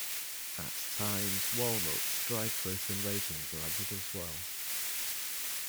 At times, walnuts, dried fruit and raisins are added as well.